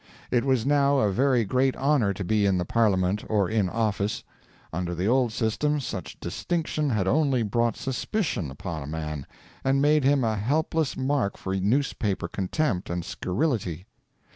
It was now a very great honour to be in the parliament or in office; under the old system such distinction had only brought suspicion upon a man and made him a helpless mark for newspaper contempt and scurrility.